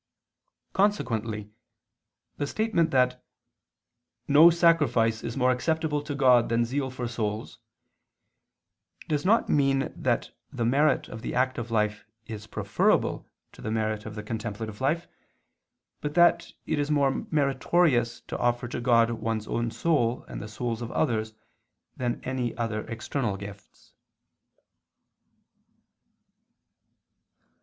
Consequently the statement that "no sacrifice is more acceptable to God than zeal for souls," does not mean that the merit of the active life is preferable to the merit of the contemplative life, but that it is more meritorious to offer to God one's own soul and the souls of others, than any other external gifts.